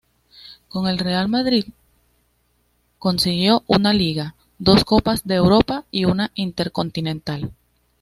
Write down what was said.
Con el Real Madrid consiguió una Liga, dos Copas de Europa y una Intercontinental.